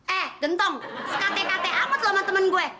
eh gentong sekate kate amat lo sama temen gue